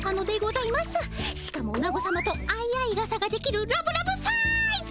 しかもオナゴさまと相合いがさができるラブラブサイズ！